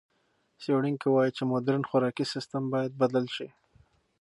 څېړونکي وايي چې مُدرن خوراکي سیستم باید بدل شي.